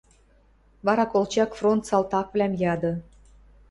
Вара колчак фронт салтаквлӓм яды.